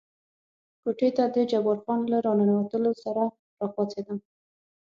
کوټې ته د جبار خان له را ننوتلو سره را پاڅېدم.